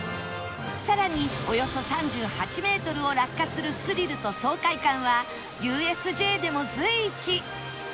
さらにおよそ３８メートルを落下するスリルと爽快感は ＵＳＪ でも随一